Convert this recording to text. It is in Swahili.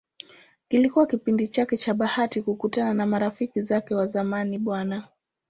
Kilikuwa kipindi chake cha bahati kukutana na marafiki zake wa zamani Bw.